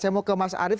saya mau ke mas arief